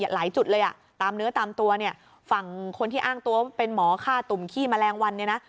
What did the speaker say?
หลายจุดเลยตามเนื้อตามตัวเนี่ยฝั่งคนที่อ้างตัวว่าเป็นหมอฆ่าตุ่มขี้แมลงวันเนี่ยนะ